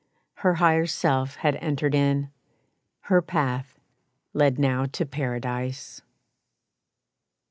Her higher self had entered in, Her path led now to Paradise.